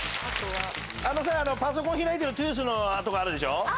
パソコン開いてるトゥースのとこあるでしょ？